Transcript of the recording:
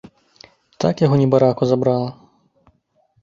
Так яго, небараку, забрала.